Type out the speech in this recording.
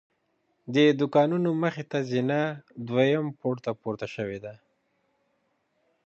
د دوکانونو مخې ته زینه دویم پوړ ته پورته شوې ده.